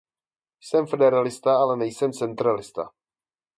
Jsem federalista, ale nejsem centralista.